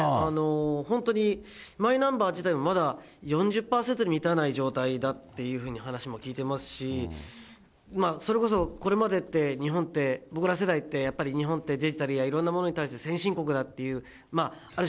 本当にマイナンバー自体もまだ４０％に満たない状態だというふうに話も聞いてますし、それこそ、これまでって、日本って、僕ら世代って、日本ってデジタルやいろいろなものに対して先進国だっていう、ある種、